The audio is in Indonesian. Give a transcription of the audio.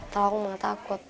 tau aku mah takut